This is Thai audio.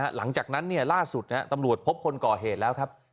หลังจากนั้นล่าสุดตำรวจพบคนก่อเหตุแล้วครับ